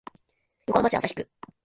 横浜市旭区